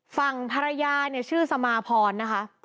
ฝั่งภรรยาชื่อสมาพรนะคะ